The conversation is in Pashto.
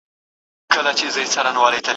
.پر مزار به یې رپېږي جنډۍ ورو ورو